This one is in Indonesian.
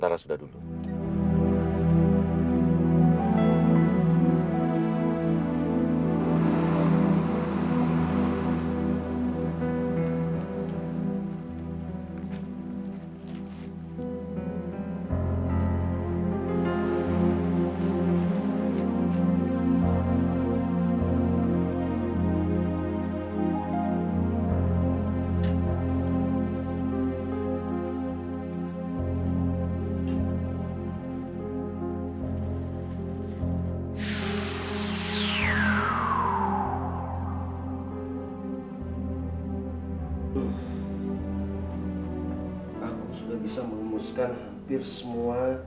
aku sudah bisa mengumuskan hampir semua